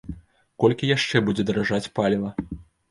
Колькі яшчэ будзе даражаць паліва?